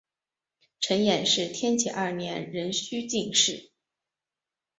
陈演是天启二年壬戌进士。